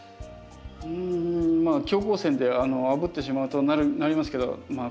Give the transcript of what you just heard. うんまあ強光線であぶってしまうとなりますけどまあ